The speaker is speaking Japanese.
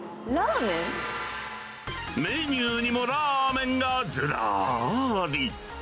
メニューにもラーメンがずらーり。